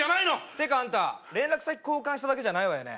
てかアンタ連絡先交換しただけじゃないわよね？